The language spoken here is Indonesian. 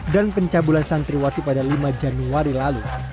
dan pencabulan santriwati pada lima januari lalu